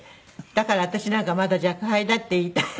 だから私なんかまだ若輩だって言いたい。